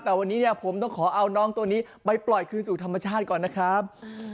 แต่วันนี้เนี่ยผมต้องขอเอาน้องตัวนี้ไปปล่อยคืนสู่ธรรมชาติก่อนนะครับ